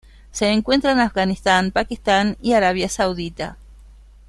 Se encuentra en Afganistán, Pakistán y Arabia Saudita.